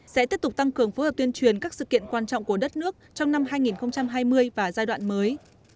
sẽ tiếp tục tăng cường phối hợp tuyên truyền các sự kiện quan trọng của đất nước trong năm hai nghìn hai mươi và giai đoạn mới